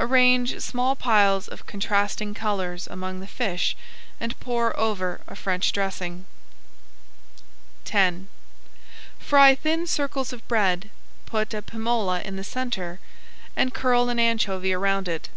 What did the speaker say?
Arrange small piles of contrasting colors among the fish and pour over a French dressing. X Fry thin circles of bread, put a pimola in the centre, and curl an anchovy around it.